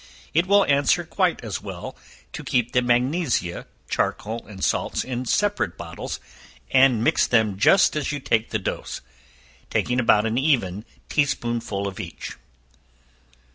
It will answer quite as well to keep the magnesia, charcoal and salts in separate bottles, and mix them just as you take the dose, taking about an even tea spoonful of each.